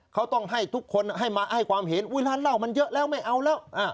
เขาต้องให้ทุกคนให้มาให้ความเห็นอุ๊ยร้านเหล้ามันเยอะแล้วไม่เอาแล้ว